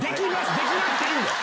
できなくていいんだよ。